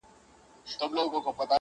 اوس به څوك ځي په اتڼ تر خيبرونو.!